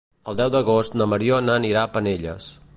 El deu d'agost na Mariona anirà a Penelles.